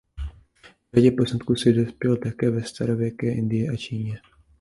K řadě poznatků se dospělo také ve starověké Indii a Číně.